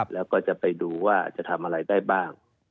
แล้วก็จะไปดูว่าจะทำอะไรได้บ้าง